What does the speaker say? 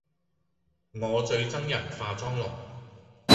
我最憎人化妝濃